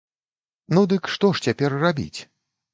Ну, дык што ж цяпер рабіць?